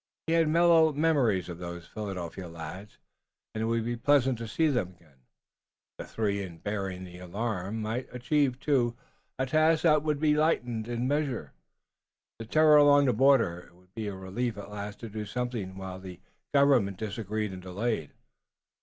He had mellow memories of those Philadelphia lads, and it would be pleasant to see them again. The three, in bearing the alarm, might achieve, too, a task that would lighten, in a measure, the terror along the border. It would be a relief at least to do something while the government disagreed and delayed.